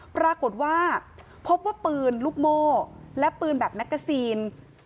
ปรากฏว่าพบว่าปืนลูกโม่และปืนแบบแมกกาซีน